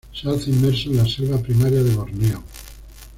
Se alza inmerso en la selva primaria de Borneo.